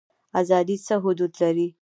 ازادي څه حدود لري؟